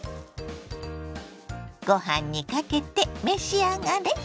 ご飯にかけて召し上がれ。